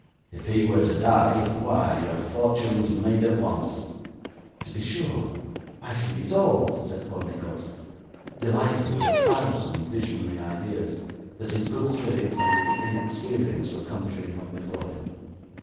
if he were to die, why your fortune's made at once.' 'To be sure, I see it all,' said poor Nicholas, delighted with a thousand visionary ideas, that his good spirits and his inexperience were conjuring up before him.